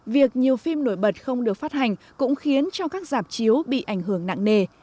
việc nhiều phim nổi bật không được phát hành cũng khiến cho các giảm chiếu bị ảnh hưởng nặng nề